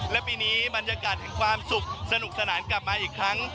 และปีนี้บรรยากาศแห่งความสุขสนุกสนานกลับมาอีกครั้ง